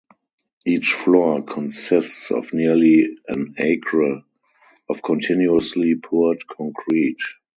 Each floor consists of nearly an acre of continuously poured concrete.